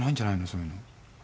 そういうの。